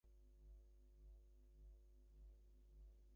Treatment varies depending on the severity of disease.